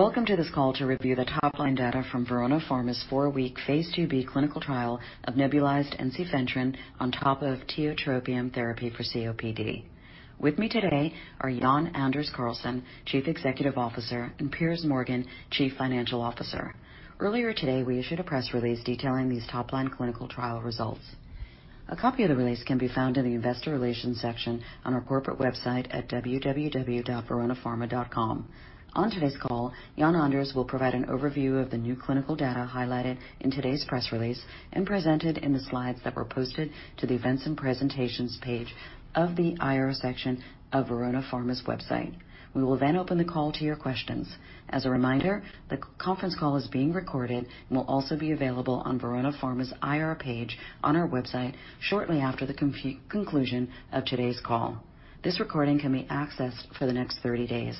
Welcome to this call to review the top-line data from Verona Pharma's four-week phase IIb clinical trial of nebulized ensifentrine on top of tiotropium therapy for COPD. With me today are Jan-Anders Karlsson, chief executive officer, and Piers Morgan, chief financial officer. Earlier today, we issued a press release detailing these top-line clinical trial results. A copy of the release can be found in the investor relations section on our corporate website at www.veronapharma.com. On today's call, Jan-Anders will provide an overview of the new clinical data highlighted in today's press release and presented in the slides that were posted to the Events and Presentations page of the IR section of Verona Pharma's website. We will then open the call to your questions. As a reminder, the conference call is being recorded and will also be available on Verona Pharma's IR page on our website shortly after the conclusion of today's call. This recording can be accessed for the next 30 days.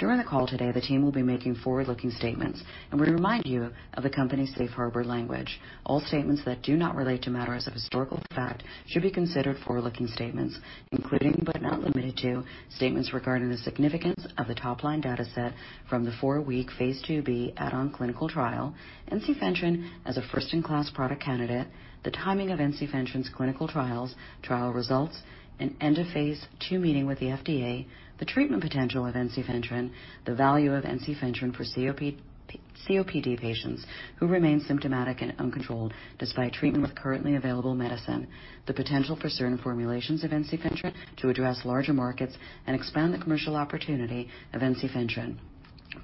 During the call today, the team will be making forward-looking statements, and we remind you of the company's safe harbor language. All statements that do not relate to matters of historical fact should be considered forward-looking statements, including but not limited to, statements regarding the significance of the top-line data set from the four-week phase IIb add-on clinical trial, ensifentrine as a first-in-class product candidate, the timing of ensifentrine's clinical trials, trial results, and end of phase II meeting with the FDA, the treatment potential of ensifentrine, the value of ensifentrine for COPD patients who remain symptomatic and uncontrolled despite treatment with currently available medicine, the potential for certain formulations of ensifentrine to address larger markets and expand the commercial opportunity of ensifentrine,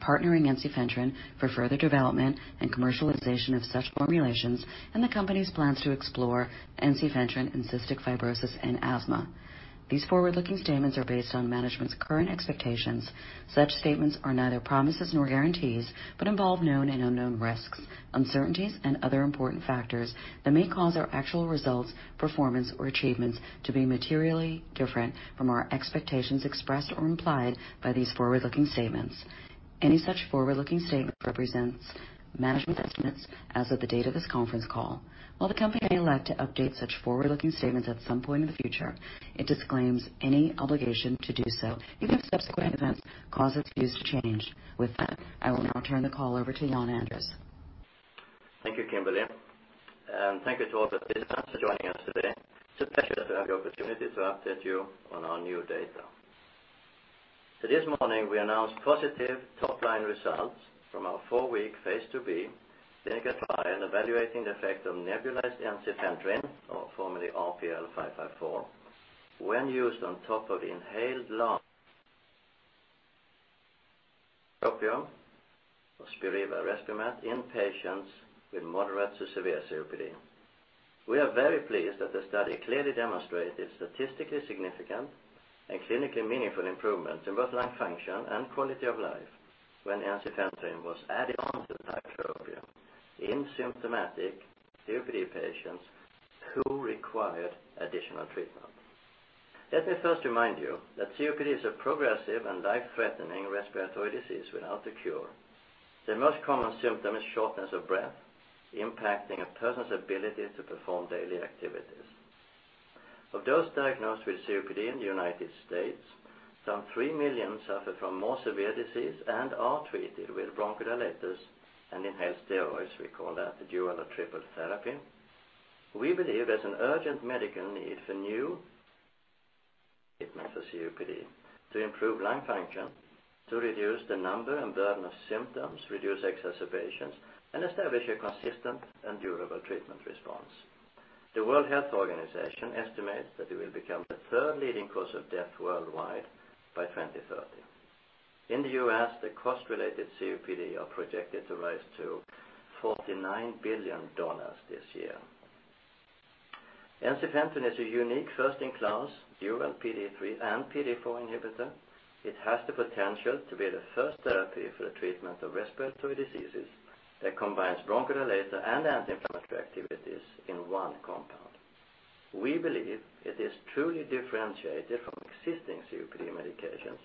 partnering ensifentrine for further development and commercialization of such formulations, and the company's plans to explore ensifentrine in cystic fibrosis and asthma. These forward-looking statements are based on management's current expectations. Such statements are neither promises nor guarantees, but involve known and unknown risks, uncertainties, and other important factors that may cause our actual results, performance, or achievements to be materially different from our expectations expressed or implied by these forward-looking statements. Any such forward-looking statement represents management estimates as of the date of this conference call. While the company would like to update such forward-looking statements at some point in the future, it disclaims any obligation to do so, even if subsequent events cause its views to change. With that, I will now turn the call over to Jan-Anders. Thank you, Kimberly, and thank you to all the participants for joining us today. It's a pleasure to have the opportunity to update you on our new data. This morning, we announced positive top-line results from our four-week phase IIb clinical trial evaluating the effect of nebulized ensifentrine, or formerly RPL554, when used on top of inhaled long-acting tiotropium, or Spiriva RespiMat, in patients with moderate to severe COPD. We are very pleased that the study clearly demonstrated statistically significant and clinically meaningful improvements in both lung function and quality of life when ensifentrine was added on to the tiotropium in symptomatic COPD patients who required additional treatment. Let me first remind you that COPD is a progressive and life-threatening respiratory disease without a cure. The most common symptom is shortness of breath, impacting a person's ability to perform daily activities. Of those diagnosed with COPD in the U.S., some 3 million suffer from more severe disease and are treated with bronchodilators and inhaled steroids. We call that dual or triple therapy. We believe there's an urgent medical need for new treatments for COPD to improve lung function, to reduce the number and burden of symptoms, reduce exacerbations, and establish a consistent and durable treatment response. The World Health Organization estimates that it will become the third leading cause of death worldwide by 2030. In the U.S., the cost related to COPD are projected to rise to GBP 49 billion this year. ensifentrine is a unique first-in-class dual PDE3 and PDE4 inhibitor. It has the potential to be the first therapy for the treatment of respiratory diseases that combines bronchodilator and anti-inflammatory activities in one compound. We believe it is truly differentiated from existing COPD medications,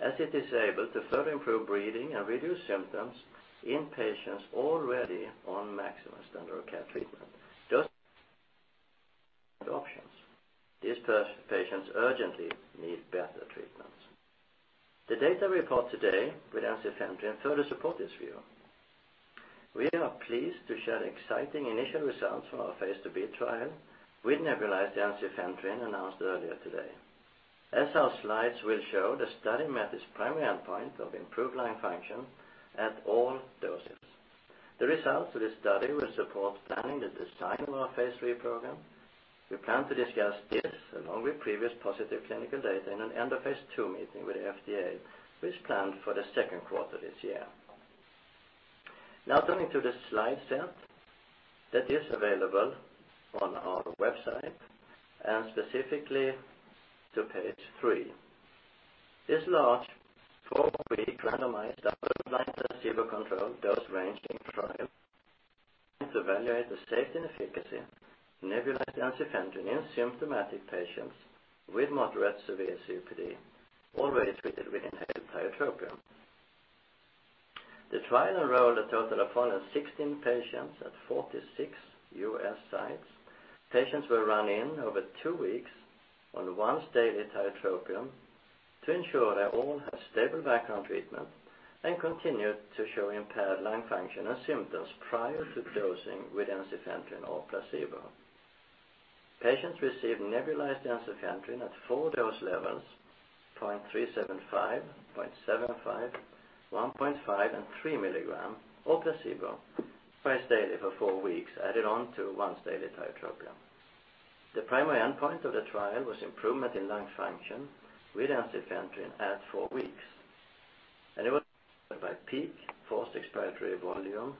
as it is able to further improve breathing and reduce symptoms in patients already on maximum standard of care treatment. Those options. These patients urgently need better treatments. The data we report today with ensifentrine further support this view. We are pleased to share the exciting initial results from our Phase IIb trial with nebulized ensifentrine announced earlier today. As our slides will show, the study met its primary endpoint of improved lung function at all doses. The results of this study will support planning the design of our Phase III program. We plan to discuss this along with previous positive clinical data in an end-of-Phase II meeting with the FDA, which is planned for the second quarter this year. Now turning to the slide set that is available on our website, and specifically to page three. This large 4-week randomized, double-blind, placebo-controlled, dose-ranging trial to evaluate the safety and efficacy of nebulized ensifentrine in symptomatic patients with moderate-severe COPD already treated with inhaled tiotropium. The trial enrolled a total of 416 patients at 46 U.S. sites. Patients were run in over 2 weeks on once-daily tiotropium to ensure they all have stable background treatment and continued to show impaired lung function and symptoms prior to dosing with ensifentrine or placebo. Patients received nebulized ensifentrine at 4 dose levels: 0.375, 0.75, 1.5, and 3 milligram, or placebo twice daily for four weeks added on to once-daily tiotropium. The primary endpoint of the trial was improvement in lung function with ensifentrine at four weeks. It was by peak forced expiratory volume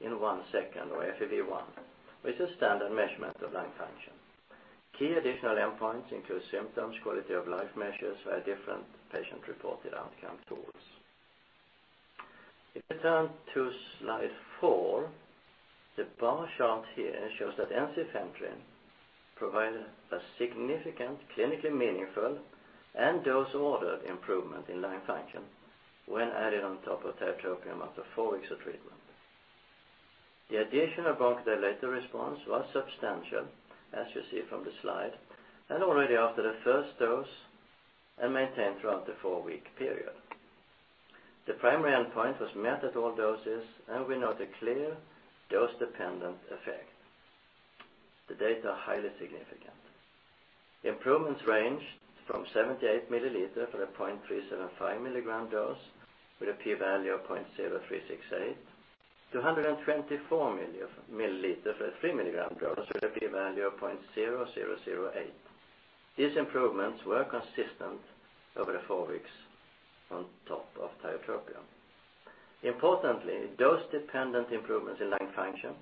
in 1 second, or FEV1, which is standard measurement of lung function. Key additional endpoints include symptoms, quality of life measures, by different patient-reported outcome tools. If you turn to slide four, the bar chart here shows that ensifentrine provided a significant, clinically meaningful, and dose-ordered improvement in lung function when added on top of tiotropium after four weeks of treatment. The additional bronchodilator response was substantial, as you see from the slide, and already after the first dose, and maintained throughout the four-week period. The primary endpoint was met at all doses and we note a clear dose-dependent effect. The data are highly significant. Improvements ranged from 78 milliliter for the 0.375 milligram dose, with a p-value of 0.0368, to 124 milliliter for a three-milligram dose with a p-value of 0.0008. These improvements were consistent over the four weeks on top of tiotropium. Importantly, dose-dependent improvements in lung function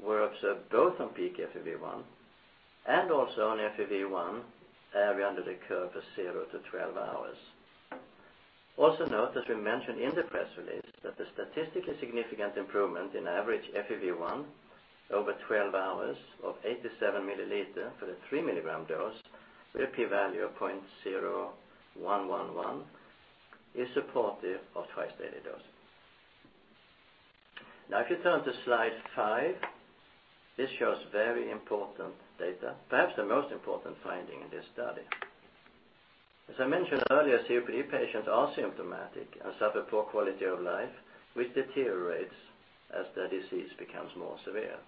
were observed both on peak FEV1 and also on FEV1 area under the curve of 0 to 12 hours. Note, as we mentioned in the press release, that the statistically significant improvement in average FEV1 over 12 hours of 87 milliliters for the 3-milligram dose, with a p-value of 0.0111, is supportive of twice-daily dosing. If you turn to slide five, this shows very important data, perhaps the most important finding in this study. As I mentioned earlier, COPD patients are symptomatic and suffer poor quality of life, which deteriorates as the disease becomes more severe.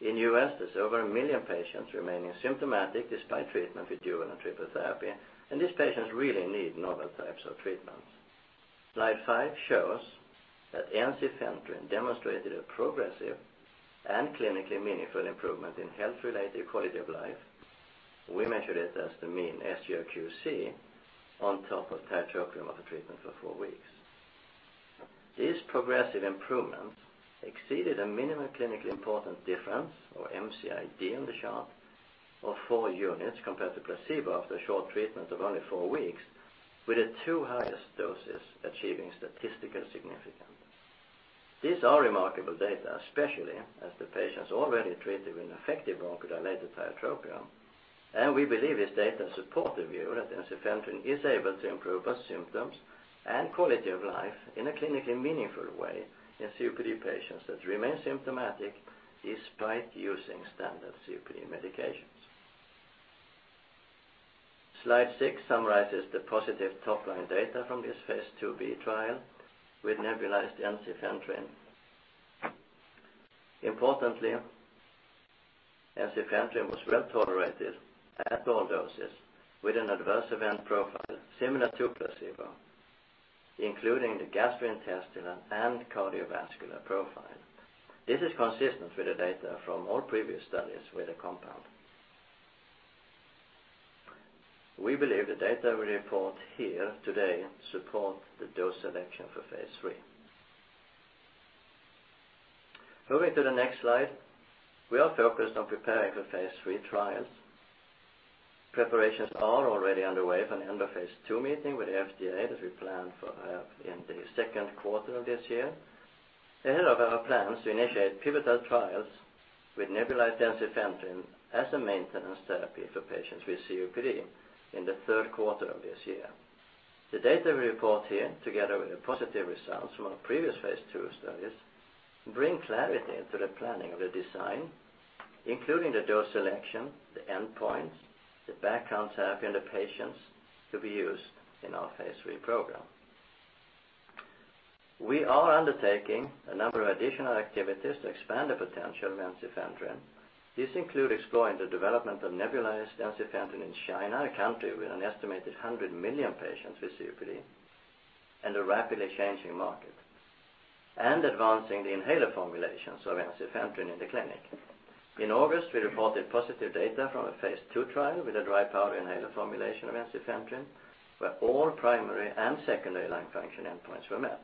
In the U.S., there's over 1 million patients remaining symptomatic despite treatment with dual and triple therapy, these patients really need novel types of treatments. Slide five shows that ensifentrine demonstrated a progressive and clinically meaningful improvement in health-related quality of life. We measured it as the mean SGRQ-C on top of tiotropium of the treatment for four weeks. These progressive improvements exceeded a minimum clinically important difference, or MCID on the chart, of four units compared to placebo after a short treatment of only four weeks, with the two highest doses achieving statistical significance. These are remarkable data, especially as the patients already treated with an effective bronchodilator tiotropium. We believe this data support the view that ensifentrine is able to improve both symptoms and quality of life in a clinically meaningful way in COPD patients that remain symptomatic despite using standard COPD medications. Slide six summarizes the positive top-line data from this phase IIB trial with nebulized ensifentrine. Importantly, ensifentrine was well-tolerated at all doses with an adverse event profile similar to placebo, including the gastrointestinal and cardiovascular profile. This is consistent with the data from all previous studies with the compound. We believe the data we report here today support the dose selection for phase III. Moving to the next slide. We are focused on preparing for phase III trials. Preparations are already underway for an end-of-phase II meeting with the FDA that we plan for in the second quarter of this year. Ahead of our plans to initiate pivotal trials with nebulized ensifentrine as a maintenance therapy for patients with COPD in the third quarter of this year. The data we report here, together with the positive results from our previous phase II studies, bring clarity to the planning of the design, including the dose selection, the endpoints, the background therapy in the patients to be used in our phase III program. We are undertaking a number of additional activities to expand the potential of ensifentrine. These include exploring the development of nebulized ensifentrine in China, a country with an estimated 100 million patients with COPD, and a rapidly changing market, and advancing the inhaler formulations of ensifentrine in the clinic. In August, we reported positive data from a phase II trial with a dry powder inhaler formulation of ensifentrine, where all primary and secondary lung function endpoints were met.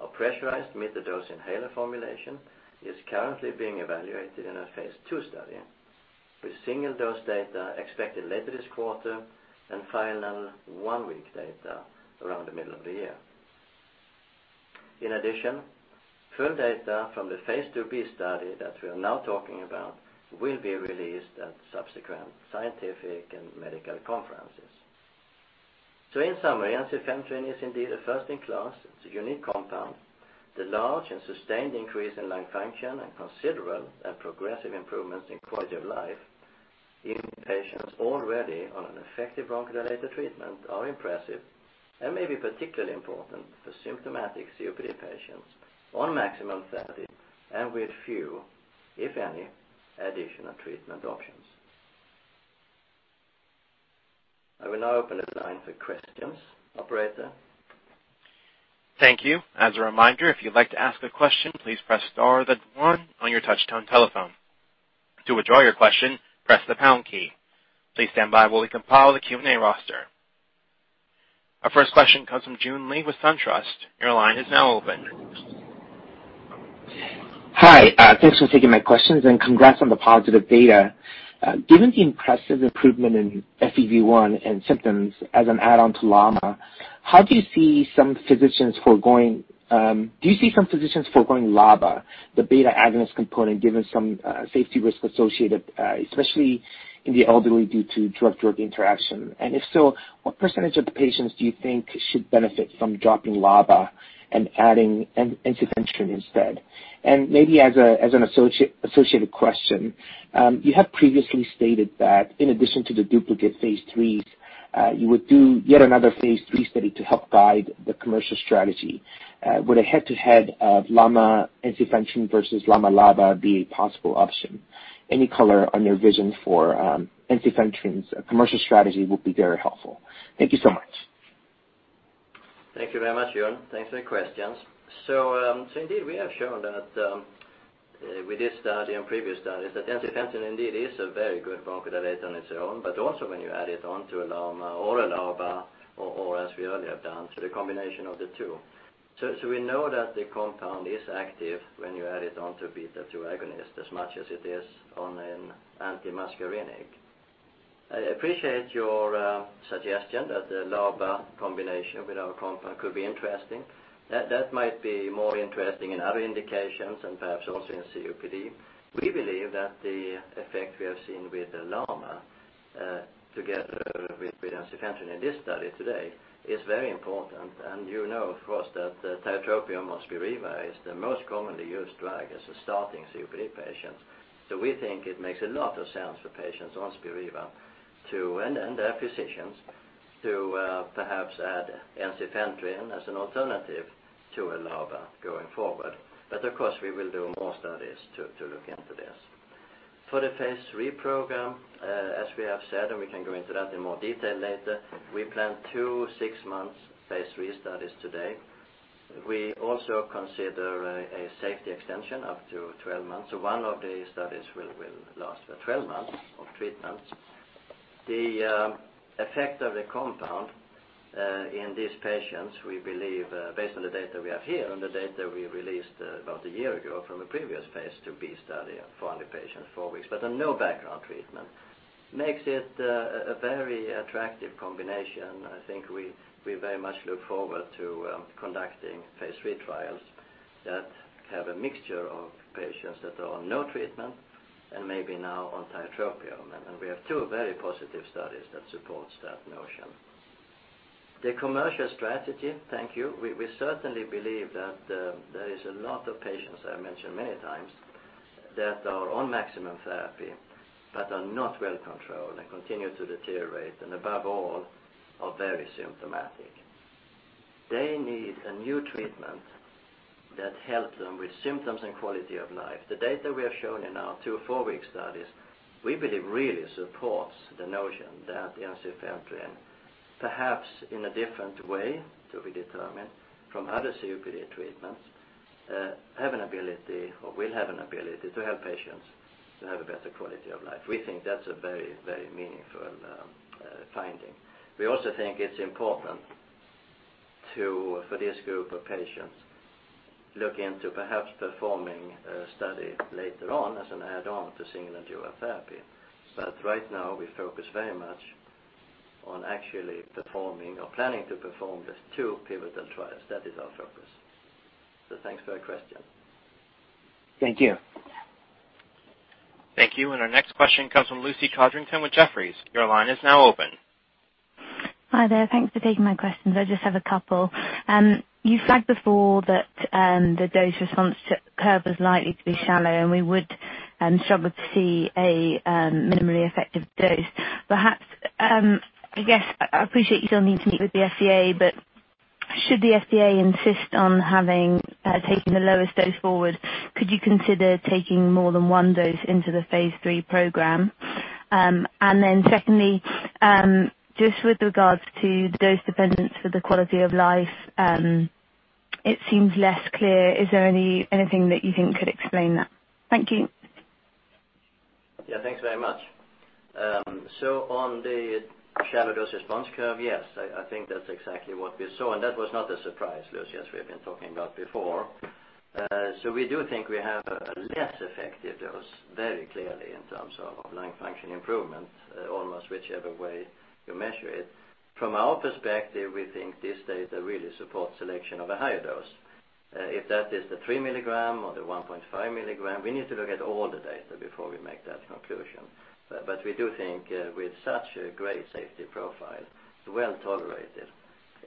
Our pressurized mid-dose inhaler formulation is currently being evaluated in a phase II study with single-dose data expected later this quarter and final one-week data around the middle of the year. In addition, full data from the phase II-B study that we are now talking about will be released at subsequent scientific and medical conferences. In summary, ensifentrine is indeed a first-in-class. It's a unique compound. The large and sustained increase in lung function and considerable and progressive improvements in quality of life in patients already on an effective bronchodilator treatment are impressive and may be particularly important for symptomatic COPD patients on maximum therapy and with few, if any, additional treatment options. I will now open the line for questions. Operator? Thank you. As a reminder, if you'd like to ask a question, please press star then one on your touchtone telephone. To withdraw your question, press the pound key. Please stand by while we compile the Q&A roster. Our first question comes from Joon Lee with SunTrust. Your line is now open. Hi, thanks for taking my questions, and congrats on the positive data. Given the impressive improvement in FEV1 and symptoms as an add-on to LAMA, do you see some physicians foregoing LABA, the beta agonist component, given some safety risk associated, especially in the elderly due to drug-drug interaction? If so, what percentage of the patients do you think should benefit from dropping LABA and adding ensifentrine instead? Maybe as an associated question, you have previously stated that in addition to the duplicate phase III's, you would do yet another phase III study to help guide the commercial strategy. Would a head-to-head of LAMA ensifentrine versus LAMA/LABA be a possible option? Any color on your vision for ensifentrine's commercial strategy will be very helpful. Thank you so much. Thank you very much, Joon. Thanks for your questions. Indeed, we have shown that with this study and previous studies that ensifentrine indeed is a very good bronchodilator on its own, but also when you add it on to a LAMA or a LABA or as we earlier have done, the combination of the two. We know that the compound is active when you add it on to beta-2 agonist as much as it is on an antimuscarinic. I appreciate your suggestion that the LABA combination with our compound could be interesting. That might be more interesting in other indications and perhaps also in COPD. We believe that the effect we have seen with the LAMA, together with ensifentrine in this study today, is very important. You know, of course, that the tiotropium Spiriva is the most commonly used drug as a starting COPD patient. We think it makes a lot of sense for patients on Spiriva and their physicians to perhaps add ensifentrine as an alternative to a LABA going forward. Of course, we will do more studies to look into this. For the phase III program, as we have said, and we can go into that in more detail later, we plan 2 six-month phase III studies today. We also consider a safety extension up to 12 months. One of the studies will last for 12 months of treatment. The effect of the compound in these patients, we believe based on the data we have here and the data we released about a year ago from a previous phase IIb study for only patients 4 weeks, but on no background treatment, makes it a very attractive combination. I think we very much look forward to conducting Phase III trials that have a mixture of patients that are on no treatment and maybe now on tiotropium. We have two very positive studies that supports that notion. The commercial strategy, thank you. We certainly believe that there is a lot of patients, I mentioned many times, that are on maximum therapy but are not well controlled and continue to deteriorate, and above all, are very symptomatic. They need a new treatment that help them with symptoms and quality of life. The data we have shown in our two four-week studies, we believe really supports the notion that ensifentrine, perhaps in a different way to be determined from other COPD treatments, have an ability or will have an ability to help patients to have a better quality of life. We think that's a very meaningful finding. We also think it's important for this group of patients look into perhaps performing a study later on as an add-on to single or dual therapy. Right now, we focus very much on actually performing or planning to perform the two pivotal trials. That is our focus. Thanks for your question. Thank you. Thank you. Our next question comes from Lucy Codrington with Jefferies. Your line is now open. Hi there. Thanks for taking my questions. I just have a couple. You flagged before that the dose response curve was likely to be shallow, and we would struggle to see a minimally effective dose. I guess I appreciate you still need to meet with the FDA, but should the FDA insist on having taken the lowest dose forward, could you consider taking more than one dose into the Phase III program? Secondly, just with regards to dose dependence for the quality of life, it seems less clear. Is there anything that you think could explain that? Thank you. Yeah. Thanks very much. On the shallow dose response curve, yes. I think that's exactly what we saw, and that was not a surprise, Lucy, as we have been talking about before. We do think we have a less effective dose very clearly in terms of lung function improvement, almost whichever way you measure it. From our perspective, we think this data really supports selection of a higher dose. If that is the 3 milligram or the 1.5 milligram, we need to look at all the data before we make that conclusion. We do think with such a great safety profile, it's well-tolerated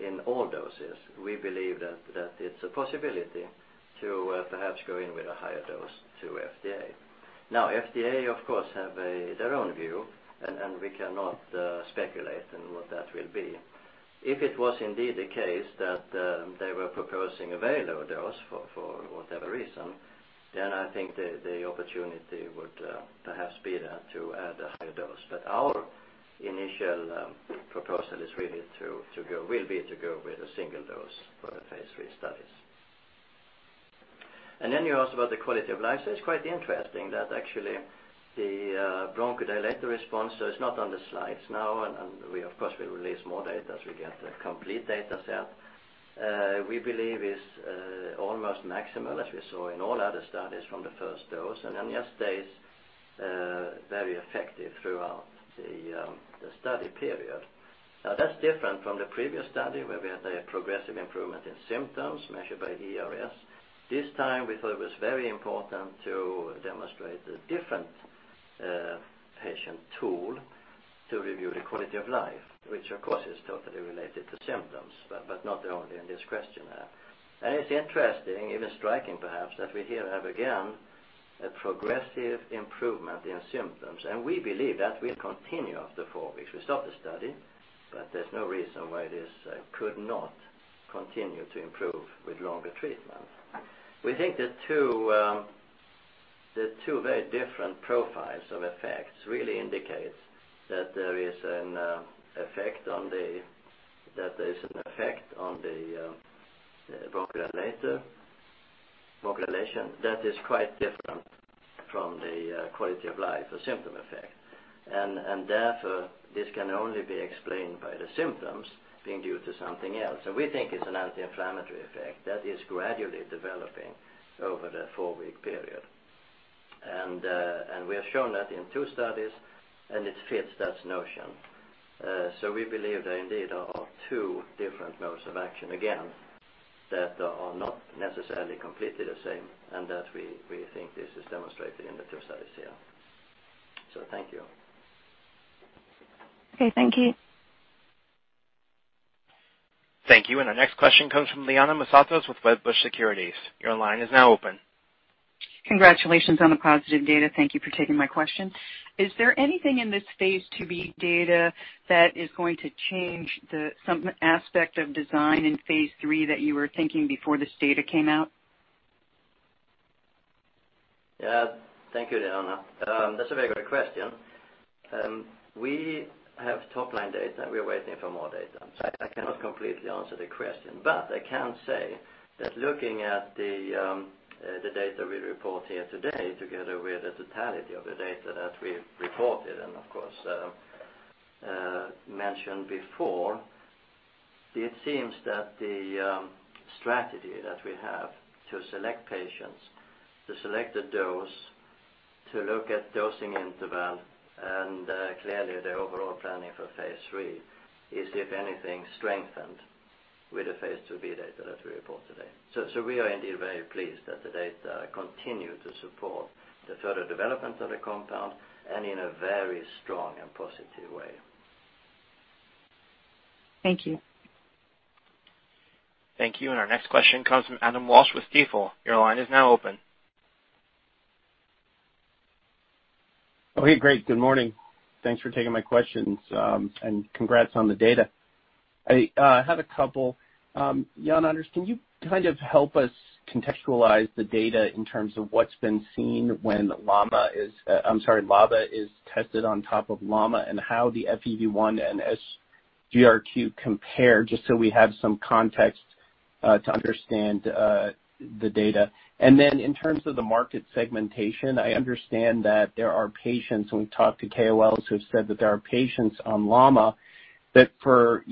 in all doses. We believe that it's a possibility to perhaps go in with a higher dose to FDA. FDA, of course, have their own view, and we cannot speculate on what that will be. If it was indeed the case that they were proposing a very low dose for whatever reason, then I think the opportunity would perhaps be there to add a higher dose. Our initial proposal will be to go with a single dose for the phase III studies. You asked about the quality of life. It's quite interesting that actually the bronchodilator response, though it's not on the slides now, and we of course will release more data as we get the complete data set, we believe is almost maximal as we saw in all other studies from the first dose, and then just stays very effective throughout the study period. That's different from the previous study, where we had a progressive improvement in symptoms measured by E-RS. This time, we thought it was very important to demonstrate a different patient tool to review the quality of life, which, of course, is totally related to symptoms, but not only in this questionnaire. It's interesting, even striking perhaps, that we here have again, a progressive improvement in symptoms. We believe that will continue after four weeks. We stopped the study, but there's no reason why this could not continue to improve with longer treatment. We think the two very different profiles of effects really indicate that there is an effect on the bronchodilator. Bronchial dilation, that is quite different from the quality of life or symptom effect. Therefore, this can only be explained by the symptoms being due to something else. We think it's an anti-inflammatory effect that is gradually developing over the four-week period. We have shown that in two studies, and it fits that notion. We believe there indeed are two different modes of action, again, that are not necessarily completely the same, and that we think this is demonstrated in the two studies here. Thank you. Okay. Thank you. Thank you. Our next question comes from Liana Moussatos with Wedbush Securities. Your line is now open. Congratulations on the positive data. Thank you for taking my question. Is there anything in this phase II-B data that is going to change some aspect of design in phase III that you were thinking before this data came out? Yeah. Thank you, Liana. That's a very good question. We have top-line data. We are waiting for more data. I cannot completely answer the question. I can say that looking at the data we report here today, together with the totality of the data that we've reported and of course, mentioned before, it seems that the strategy that we have to select patients, to select a dose, to look at dosing interval, and clearly the overall planning for phase III is, if anything, strengthened with the phase II-B data that we report today. We are indeed very pleased that the data continue to support the further development of the compound and in a very strong and positive way. Thank you. Thank you. Our next question comes from Adam Walsh with Stifel. Your line is now open. Okay, great. Good morning. Thanks for taking my questions. Congrats on the data. I have a couple. Jan-Anders, can you kind of help us contextualize the data in terms of what's been seen when LAMA is I'm sorry, LABA is tested on top of LAMA and how the FEV1 and SGRQ compare, just so we have some context to understand the data? Then in terms of the market segmentation, I understand that there are patients, when we talk to KOLs who have said that there are patients on LAMA that for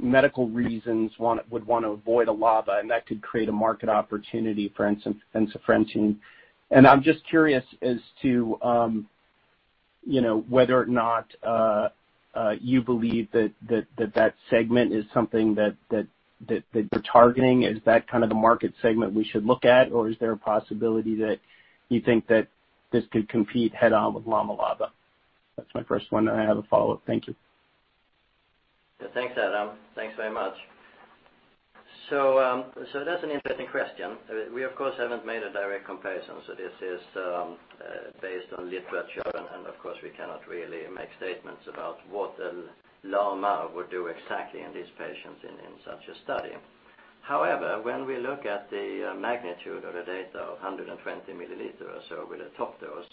medical reasons would want to avoid a LABA, and that could create a market opportunity for ensifentrine. I'm just curious as to whether or not you believe that segment is something that you're targeting. Is that kind of the market segment we should look at, or is there a possibility that you think that this could compete head-on with LAMA/LABA? That's my first one, and I have a follow-up. Thank you. That's an interesting question. We of course haven't made a direct comparison, this is based on literature, and of course, we cannot really make statements about what LAMA would do exactly in these patients in such a study. However, when we look at the magnitude of the data of 120 milliliters over the top dose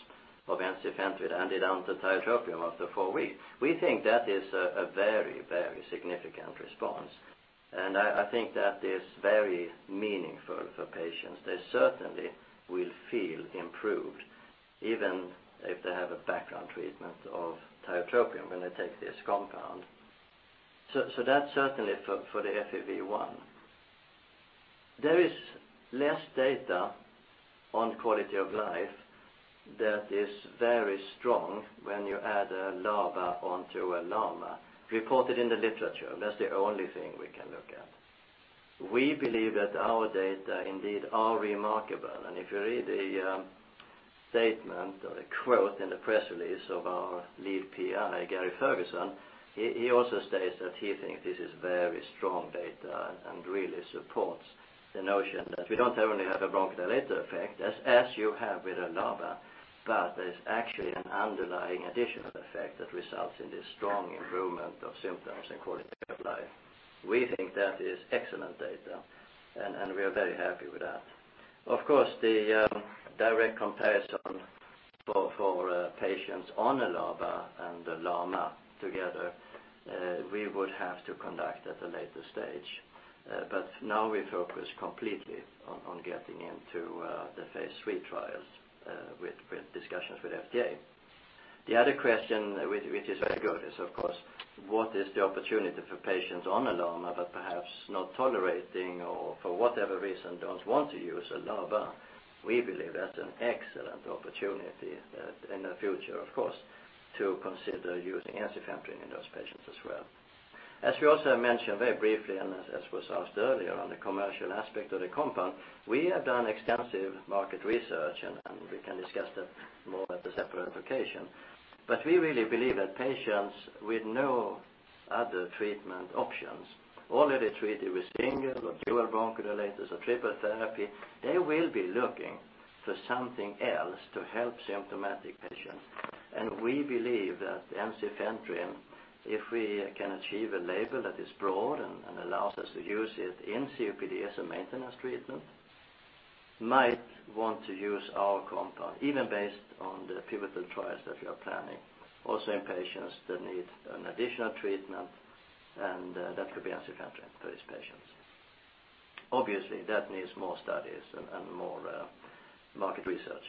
of ensifentrine and the tiotropium after four weeks, we think that is a very significant response. I think that is very meaningful for patients. They certainly will feel improved even if they have a background treatment of tiotropium when they take this compound. That certainly for the FEV1. There is less data on quality of life, that is very strong when you add a LABA onto a LAMA. Reported in the literature, that's the only thing we can look at. We believe that our data indeed are remarkable, if you read the statement or the quote in the press release of our lead PI, Gary Ferguson, he also states that he thinks this is very strong data and really supports the notion that we don't only have a bronchodilator effect, as you have with a LABA, but there's actually an underlying additional effect that results in this strong improvement of symptoms and quality of life. We think that is excellent data, and we are very happy with that. Of course, the direct comparison for patients on a LABA and a LAMA together, we would have to conduct at a later stage. Now we focus completely on getting into the phase III trials with discussions with FDA. The other question, which is very good, is of course what is the opportunity for patients on a LAMA but perhaps not tolerating or for whatever reason don't want to use a LABA. We believe that's an excellent opportunity in the future, of course, to consider using ensifentrine in those patients as well. As we also mentioned very briefly and as was asked earlier on the commercial aspect of the compound, we have done extensive market research, and we can discuss that more at a separate occasion. We really believe that patients with no other treatment options, already treated with single or dual bronchodilators or triple therapy, they will be looking for something else to help symptomatic patients. We believe that ensifentrine, if we can achieve a label that is broad and allows us to use it in COPD as a maintenance treatment, might want to use our compound, even based on the pivotal trials that we are planning, also in patients that need an additional treatment, and that could be ensifentrine for these patients. Obviously, that needs more studies and more market research.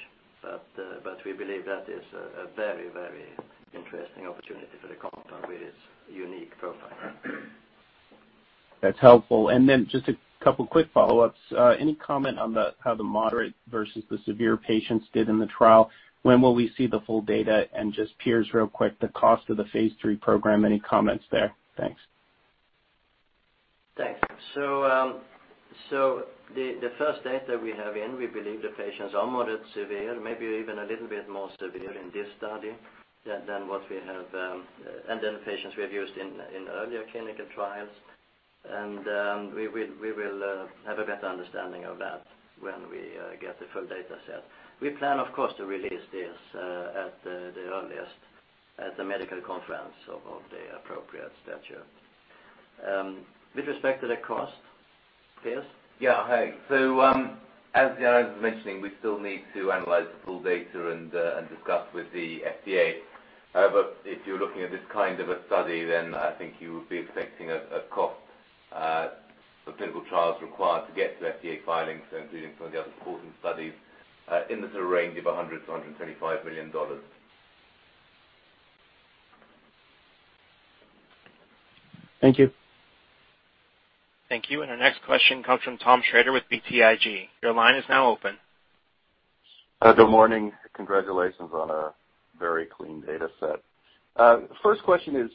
We believe that is a very interesting opportunity for the compound with its unique profile. That's helpful. Just a couple quick follow-ups. Any comment on how the moderate versus the severe patients did in the trial? When will we see the full data? Just Piers real quick, the cost of the phase III program, any comments there? Thanks. Thanks. The first data we have in, we believe the patients are moderate, severe, maybe even a little bit more severe in this study than what we have used in earlier clinical trials. We will have a better understanding of that when we get the full data set. We plan, of course, to release this at the earliest at the medical conference of the appropriate stature. With respect to the cost, Piers? Yeah. Hi. As Jan-Anders was mentioning, we still need to analyze the full data and discuss with the FDA. However, if you're looking at this kind of a study, I think you would be expecting a cost for clinical trials required to get to FDA filings, including some of the other supporting studies, in the range of $100 million-$125 million. Thank you. Thank you. Our next question comes from Tom Shrader with BTIG. Your line is now open. Good morning. Congratulations on a very clean data set. First question is,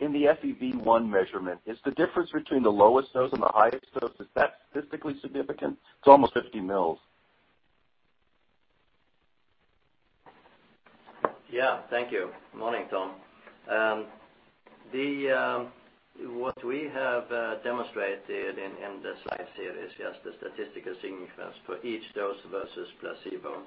in the FEV1 measurement, is the difference between the lowest dose and the highest dose, is that statistically significant? It's almost 50 mils. Yeah. Thank you. Morning, Tom. What we have demonstrated in the slides here is just the statistical significance for each dose versus placebo.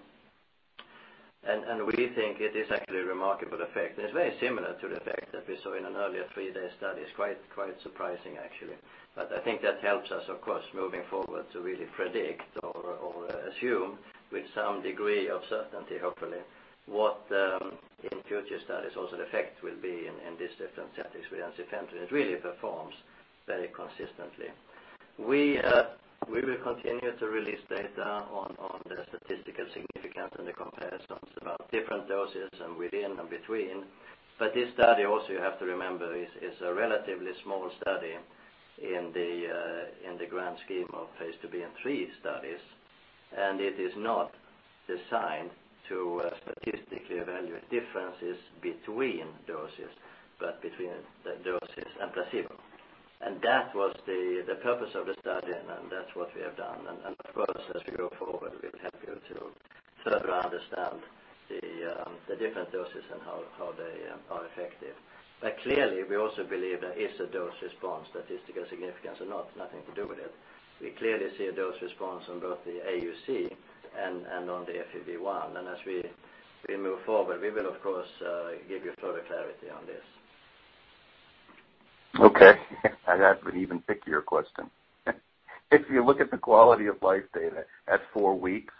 We think it is actually a remarkable effect, and it's very similar to the effect that we saw in an earlier three-day study. It's quite surprising, actually. I think that helps us, of course, moving forward to really predict or assume with some degree of certainty, hopefully, what in future studies also the effect will be in these different settings with ensifentrine. It really performs very consistently. We will continue to release data on the statistical significance and the comparisons about different doses and within and between. This study also you have to remember is a relatively small study in the grand scheme of phase III-B and phase III studies, and it is not designed to statistically evaluate differences between doses, but between the doses and placebo. That was the purpose of the study, and that's what we have done. Of course, as we go forward, we'll help you to further understand the different doses and how they are effective. Clearly, we also believe there is a dose response, statistical significance or not, nothing to do with it. We clearly see a dose response on both the AUC and on the FEV1. As we move forward, we will of course give you further clarity on this. Okay. I have an even pickier question. If you look at the quality of life data at four weeks,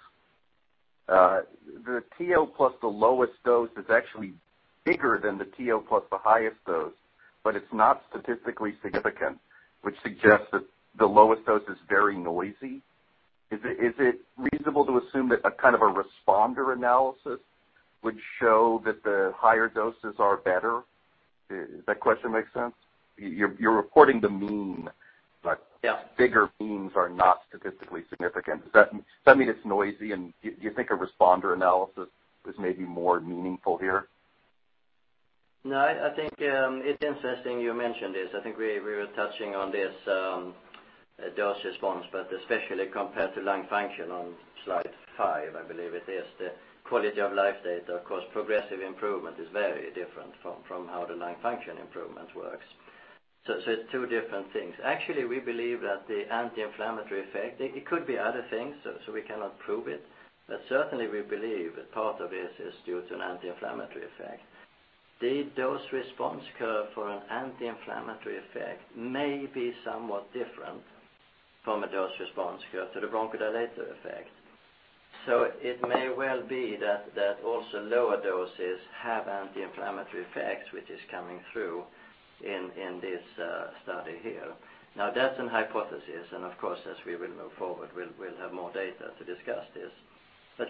the tiotropium plus the lowest dose is actually bigger than the tiotropium plus the highest dose, but it's not statistically significant, which suggests that the lowest dose is very noisy. Is it reasonable to assume that a kind of a responder analysis would show that the higher doses are better? Does that question make sense? You're reporting the mean. Yeah bigger means are not statistically significant. Does that mean it's noisy, and do you think a responder analysis is maybe more meaningful here? I think it's interesting you mentioned this. I think we were touching on this dose response, but especially compared to lung function on slide five, I believe it is. The quality of life data, of course, progressive improvement is very different from how the lung function improvement works. It's two different things. Actually, we believe that the anti-inflammatory effect, it could be other things, so we cannot prove it. Certainly, we believe part of it is due to an anti-inflammatory effect. The dose response curve for an anti-inflammatory effect may be somewhat different from a dose response curve to the bronchodilator effect. It may well be that also lower doses have anti-inflammatory effects, which is coming through in this study here. That's an hypothesis, and of course, as we will move forward, we'll have more data to discuss this.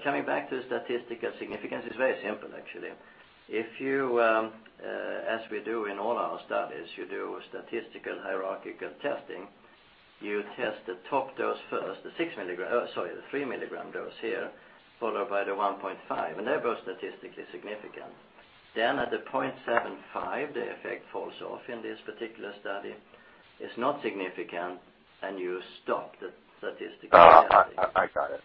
Coming back to statistical significance, it's very simple, actually. If you, as we do in all our studies, you do statistical hierarchical testing. You test the top dose first, the three-milligram dose here, followed by the 1.5. They're both statistically significant. At the 0.75, the effect falls off in this particular study. It's not significant. You stop the statistical testing. I got it.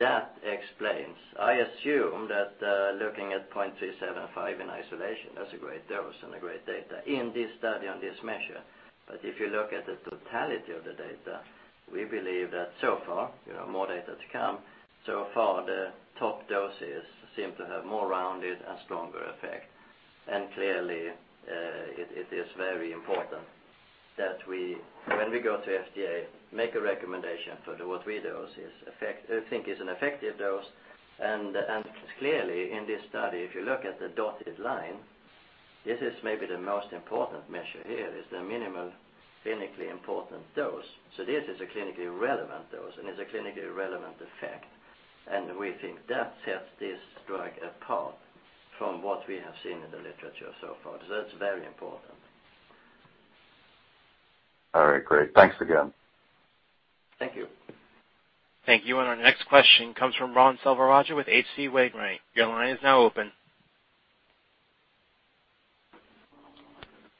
That explains, I assume that looking at 0.375 in isolation, that's a great dose and a great data in this study on this measure. If you look at the totality of the data, we believe that so far, more data to come, so far, the top doses seem to have more rounded and stronger effect. Clearly, it is very important that when we go to FDA, make a recommendation for what we think is an effective dose. Clearly in this study, if you look at the dotted line, this is maybe the most important measure here, is the minimal clinically important dose. This is a clinically relevant dose and is a clinically relevant effect. We think that sets this drug apart from what we have seen in the literature so far. That's very important. All right. Great. Thanks again. Thank you. Thank you. Our next question comes from Ram Selvaraju with H.C. Wainwright. Your line is now open.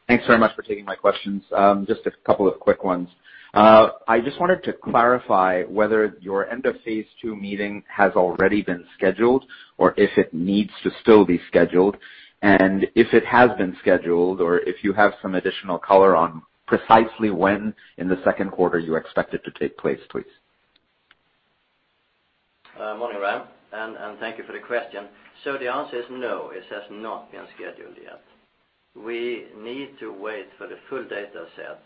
Thanks very much for taking my questions. Just a couple of quick ones. I just wanted to clarify whether your end of phase II meeting has already been scheduled or if it needs to still be scheduled, and if it has been scheduled or if you have some additional color on precisely when in the second quarter you expect it to take place, please. Morning, Ram, and thank you for the question. The answer is no, it has not been scheduled yet. We need to wait for the full data set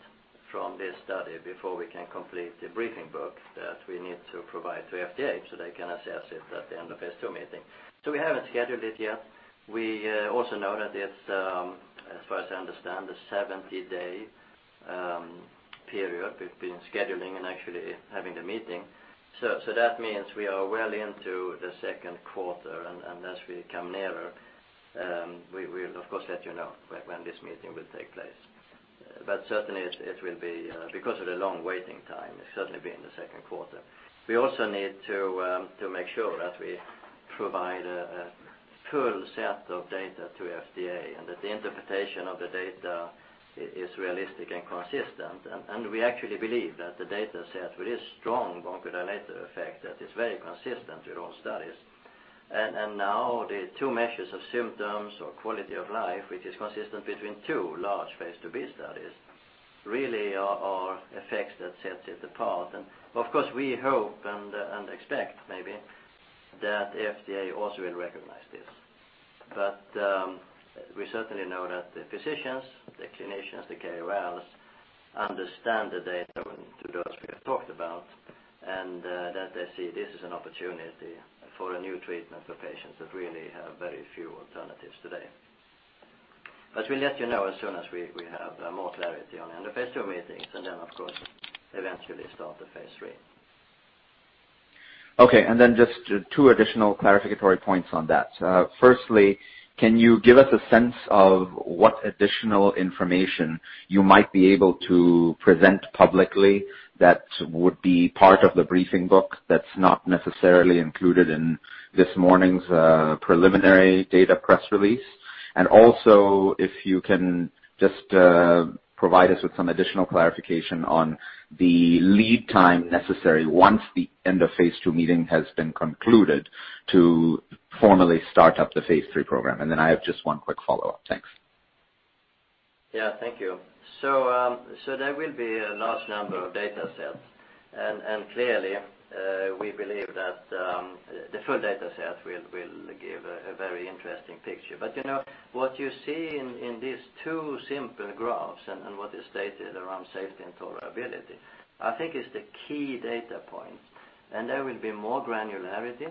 from this study before we can complete the briefing book that we need to provide to FDA so they can assess it at the end of phase II meeting. We haven't scheduled it yet. We also know that it's, as far as I understand, a 70-day period between scheduling and actually having the meeting. That means we are well into the second quarter, and as we come nearer, we'll of course let you know when this meeting will take place. Certainly it will be, because of the long waiting time, it'll certainly be in the second quarter. We also need to make sure that we provide a full set of data to FDA and that the interpretation of the data is realistic and consistent. We actually believe that the data set with this strong bronchodilator effect that is very consistent with all studies. Now the two measures of symptoms or quality of life, which is consistent between two large phase II-B studies, really are effects that sets it apart. Of course, we hope and expect maybe that FDA also will recognize this. We certainly know that the physicians, the clinicians, the KOLs understand the data and the dose we have talked about, and that they see this as an opportunity for a new treatment for patients that really have very few alternatives today. We'll let you know as soon as we have more clarity on the phase II meetings, and then of course, eventually start the phase III. Okay, just two additional clarificatory points on that. Firstly, can you give us a sense of what additional information you might be able to present publicly that would be part of the briefing book that's not necessarily included in this morning's preliminary data press release? Also, if you can just provide us with some additional clarification on the lead time necessary once the end of Phase II meeting has been concluded to formally start up the Phase III program. Then I have just one quick follow-up. Thanks. Thank you. There will be a large number of data sets. Clearly, we believe that the full data set will give a very interesting picture. What you see in these two simple graphs and what is stated around safety and tolerability, I think is the key data points. There will be more granularity,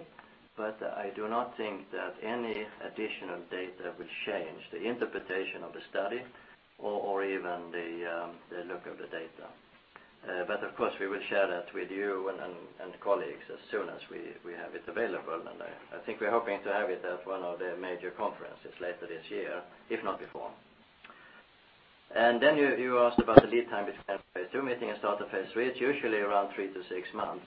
but I do not think that any additional data will change the interpretation of the study or even the look of the data. Of course, we will share that with you and colleagues as soon as we have it available. I think we're hoping to have it at one of the major conferences later this year, if not before. You asked about the lead time between phase II meeting and start of phase III. It's usually around three to six months.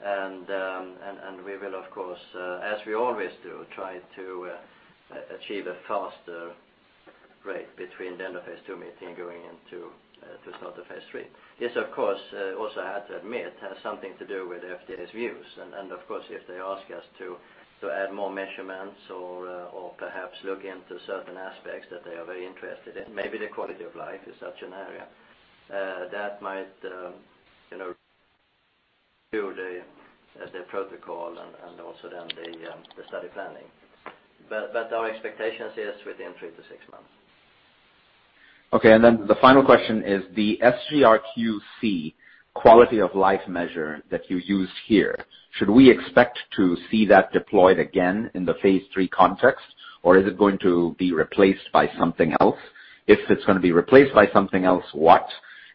We will, of course as we always do, try to achieve a faster rate between the end of phase II meeting going into start of phase III. This, of course, also I have to admit, has something to do with FDA's views. Of course, if they ask us to add more measurements or perhaps look into certain aspects that they are very interested in, maybe the quality of life is such an area, that might do the protocol and also the study planning. Our expectations is within three to six months. Okay. Then the final question is the SGRQ-C quality of life measure that you used here. Should we expect to see that deployed again in the phase III context, or is it going to be replaced by something else? If it's going to be replaced by something else, what?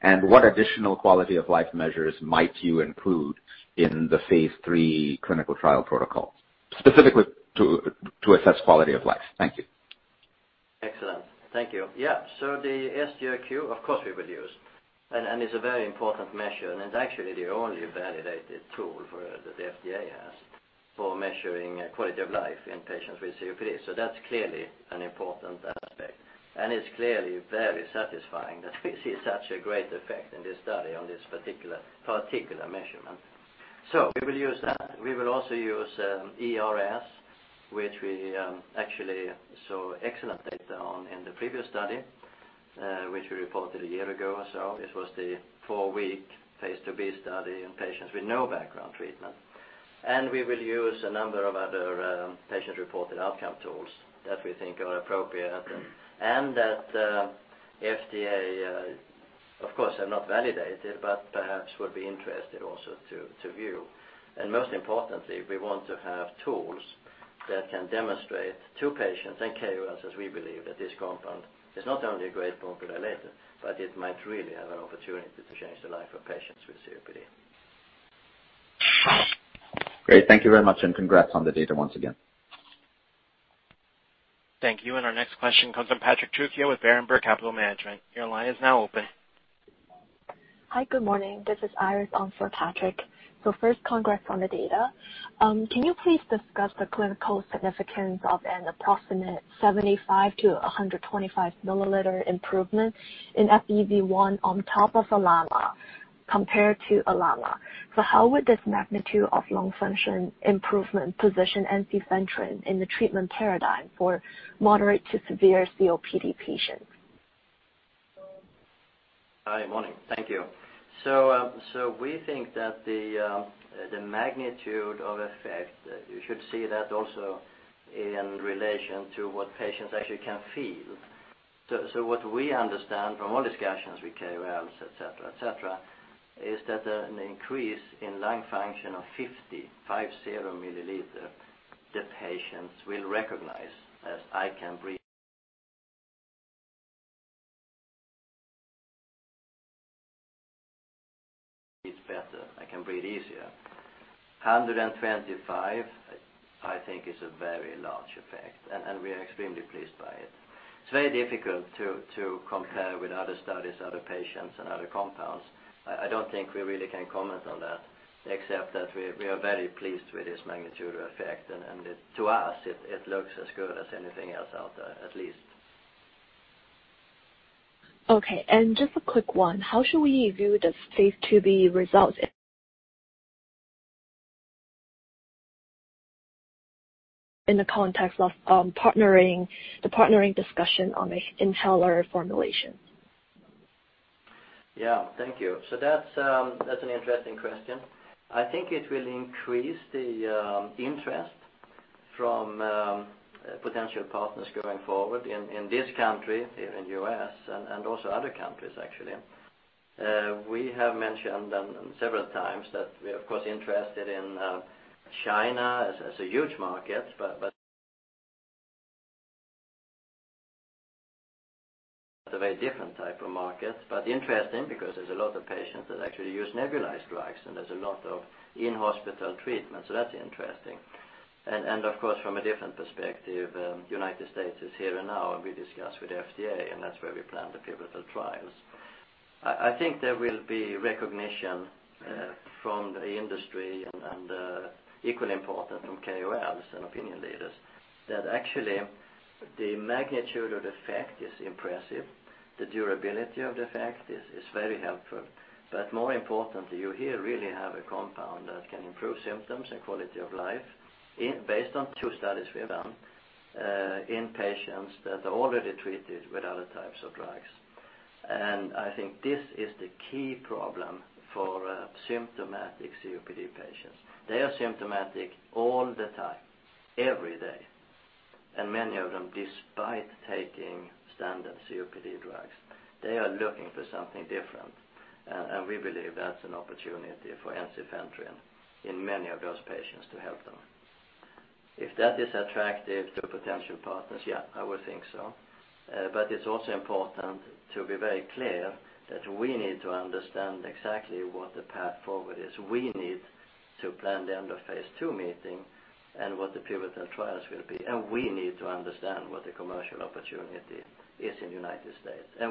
What additional quality of life measures might you include in the phase III clinical trial protocol, specifically to assess quality of life? Thank you. Excellent. Thank you. The SGRQ, of course, we will use. It's a very important measure, and it's actually the only validated tool that the FDA has for measuring quality of life in patients with COPD. That's clearly an important aspect. It's clearly very satisfying that we see such a great effect in this study on this particular measurement. We will use that. We will also use E-RS, which we actually saw excellent data on in the previous study, which we reported a year ago or so. This was the four-week phase II-B study in patients with no background treatment. We will use a number of other patient-reported outcome tools that we think are appropriate and that FDA, of course, have not validated, but perhaps would be interested also to view. Most importantly, we want to have tools that can demonstrate to patients and KOLs, as we believe, that this compound is not only a great bronchodilator, but it might really have an opportunity to change the life of patients with COPD. Great. Thank you very much. Congrats on the data once again. Thank you. Our next question comes from Patrick Trucchio with Berenberg Capital Markets. Your line is now open. Hi, good morning. This is Iris on for Patrick. First, congrats on the data. Can you please discuss the clinical significance of an approximate 75 milliliter-125 milliliter improvement in FEV1 on top of olodaterol compared to olodaterol? How would this magnitude of lung function improvement position ensifentrine in the treatment paradigm for moderate to severe COPD patients? Hi, morning. Thank you. We think that the magnitude of effect, you should see that also in relation to what patients actually can feel. What we understand from our discussions with KOLs et cetera, is that an increase in lung function of 50 mL, the patients will recognize as I can breathe. It's better. I can breathe easier. 125, I think, is a very large effect, and we are extremely pleased by it. It's very difficult to compare with other studies, other patients, and other compounds. I don't think we really can comment on that except that we are very pleased with this magnitude effect. To us, it looks as good as anything else out there, at least. Okay. Just a quick one. How should we view the phase II-B results in the context of the partnering discussion on the inhaler formulation? Yeah. Thank you. That's an interesting question. I think it will increase the interest from potential partners going forward in this country, here in the U.S., and also other countries, actually. We have mentioned several times that we are, of course, interested in China as a huge market, but a very different type of market. Interesting because there's a lot of patients that actually use nebulized drugs, and there's a lot of in-hospital treatment, so that's interesting. Of course, from a different perspective, United States is here and now, and we discuss with the FDA, and that's where we plan the pivotal trials. I think there will be recognition from the industry and equally important from KOLs and opinion leaders that actually the magnitude of the effect is impressive. The durability of the effect is very helpful. More importantly, you here really have a compound that can improve symptoms and quality of life based on two studies we have done in patients that are already treated with other types of drugs. I think this is the key problem for symptomatic COPD patients. They are symptomatic all the time, every day, and many of them, despite taking standard COPD drugs, are looking for something different, and we believe that's an opportunity for ensifentrine in many of those patients to help them. If that is attractive to potential partners, yeah, I would think so. It's also important to be very clear that we need to understand exactly what the path forward is. We need to plan the end of phase II meeting and what the pivotal trials will be. We need to understand what the commercial opportunity is in the U.S.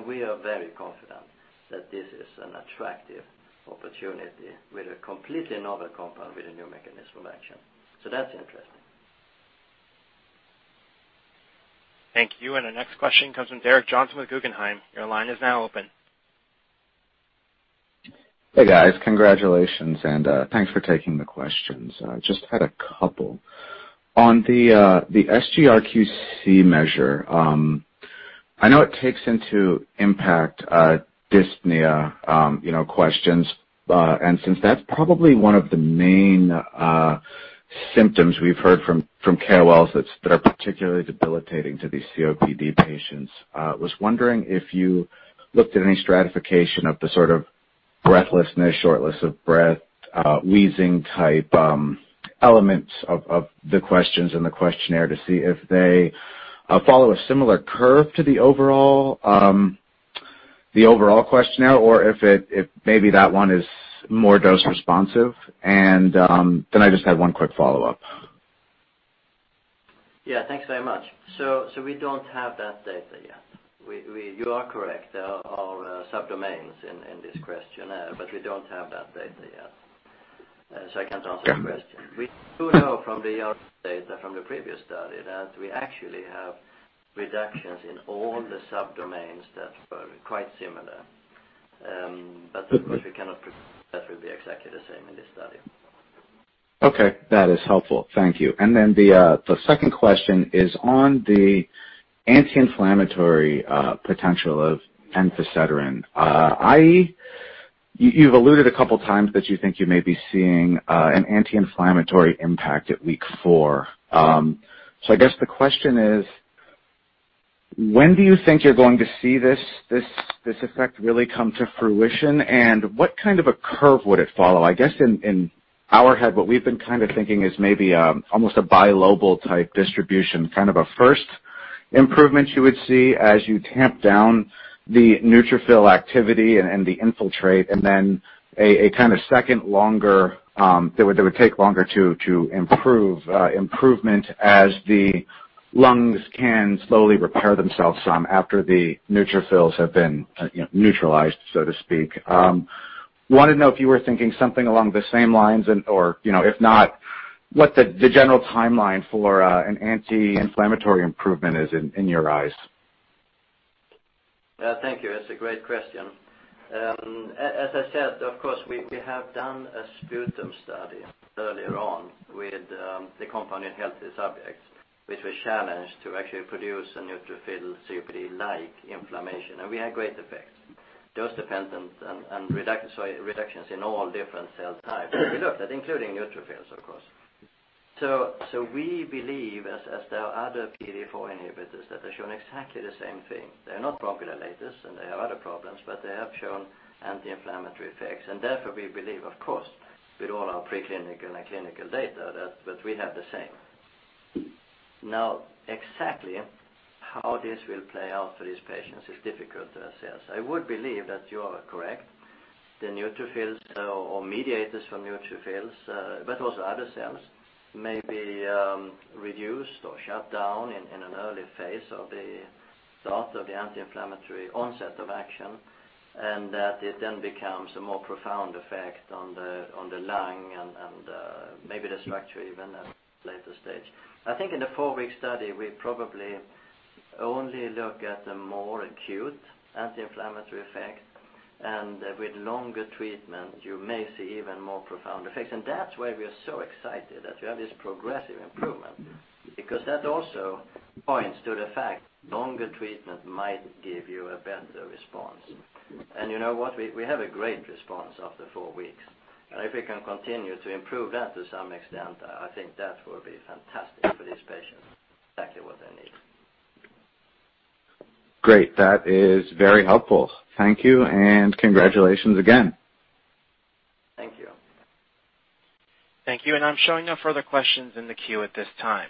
We are very confident that this is an attractive opportunity with a completely novel compound, with a new mechanism of action. That's interesting. Thank you. The next question comes from Yatin Suneja with Guggenheim. Your line is now open. Hey, guys. Congratulations, and thanks for taking the questions. I just had a couple. On the SGRQ-C measure, I know it takes into impact dyspnea questions. Since that's probably one of the main symptoms we've heard from KOLs that are particularly debilitating to these COPD patients, I was wondering if you looked at any stratification of the sort of breathlessness, shortness of breath, wheezing type elements of the questions in the questionnaire to see if they follow a similar curve to the overall questionnaire or if maybe that one is more dose responsive. I just had one quick follow-up. Yeah, thanks very much. We don't have that data yet. You are correct. There are sub-domains in this questionnaire, we don't have that data yet. I can't answer that question. We do know from the data from the previous study that we actually have reductions in all the sub-domains that were quite similar. Of course, we cannot prove that will be exactly the same in this study. Okay. That is helpful. Thank you. The second question is on the anti-inflammatory potential of ensifentrine, i.e., you've alluded a couple of times that you think you may be seeing an anti-inflammatory impact at week four. I guess the question is, when do you think you're going to see this effect really come to fruition? What kind of a curve would it follow? I guess in our head, what we've been kind of thinking is maybe almost a bilobal type distribution, kind of a first improvement you would see as you tamp down the neutrophil activity and the infiltrate, and then a kind of second longer that would take longer to improve, improvement as the lungs can slowly repair themselves some after the neutrophils have been neutralized, so to speak. Wanted to know if you were thinking something along the same lines and/or if not, what the general timeline for an anti-inflammatory improvement is in your eyes? Thank you. That's a great question. As I said, of course, we have done a sputum study earlier on with the compound in healthy subjects, which we challenged to actually produce a neutrophil COPD-like inflammation. We had great effects, dose-dependent and reductions in all different cell types we looked at, including neutrophils, of course. We believe as there are other PDE4 inhibitors that have shown exactly the same thing. They're not bronchodilators, and they have other problems, but they have shown anti-inflammatory effects. Therefore, we believe, of course, with all our preclinical and clinical data, that we have the same. Now, exactly how this will play out for these patients is difficult to assess. I would believe that you are correct. The neutrophils or mediators for neutrophils but also other cells may be reduced or shut down in an early phase of the start of the anti-inflammatory onset of action. That it then becomes a more profound effect on the lung and maybe the structure even at a later stage. I think in the four-week study, we probably only look at the more acute anti-inflammatory effect. With longer treatment, you may see even more profound effects. That's why we are so excited that we have this progressive improvement because that also points to the fact longer treatment might give you a better response. You know what? We have a great response after four weeks. If we can continue to improve that to some extent, I think that will be fantastic for these patients. Exactly what they need. Great. That is very helpful. Thank you, and congratulations again. Thank you. Thank you. I'm showing no further questions in the queue at this time.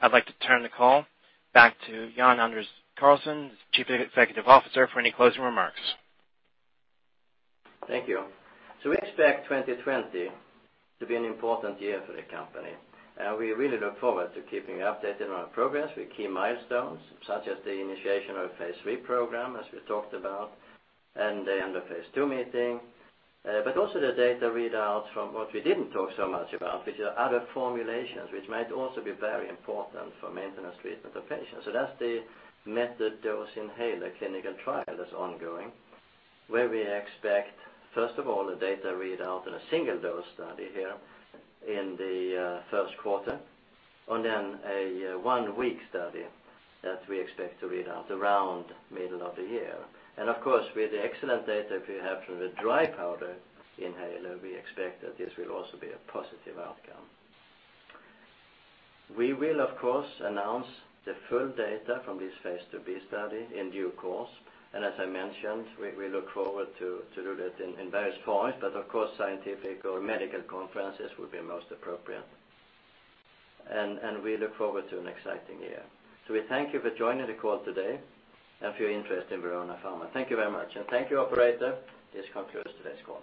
I'd like to turn the call back to Jan-Anders Karlsson, Chief Executive Officer, for any closing remarks. Thank you. We expect 2020 to be an important year for the company. We really look forward to keeping you updated on our progress with key milestones, such as the initiation of phase III program, as we talked about, and the end of phase II meeting. Also the data readouts from what we didn't talk so much about, which are other formulations which might also be very important for maintenance treatment of patients. That's the metered dose inhaler clinical trial that's ongoing, where we expect, first of all, the data readout in a single dose study here in the first quarter, and then a one-week study that we expect to read out around middle of the year. Of course, with the excellent data we have from the dry powder inhaler, we expect that this will also be a positive outcome. We will, of course, announce the full data from this phase IIb study in due course. As I mentioned, we look forward to doing it in various points, but of course, scientific or medical conferences would be most appropriate. We look forward to an exciting year. We thank you for joining the call today and for your interest in Verona Pharma. Thank you very much. Thank you, operator. This concludes today's call.